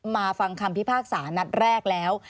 ฟังคำพิพากษานัดแรกแล้ว